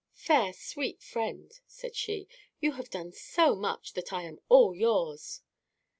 "Fair, sweet friend," said she, "you have done so much that I am all yours."